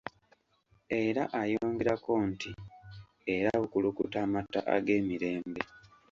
Era ayongerako nti, "era bukulukuta amata ag'emirembe".